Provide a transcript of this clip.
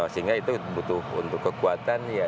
sehingga itu butuh untuk kekuatan ya